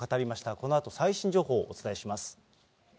このあと最新情報、お伝えします。